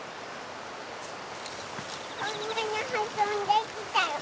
こんなに運んできたよ。